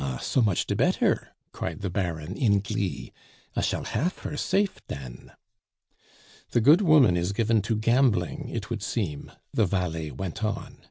so much de better!" cried the Baron in glee. "I shall hafe her safe den." "The good woman is given to gambling, it would seem," the valet went on.